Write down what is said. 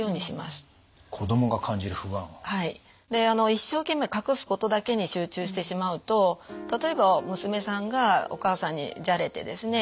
一生懸命隠すことだけに集中してしまうと例えば娘さんがお母さんにじゃれてですね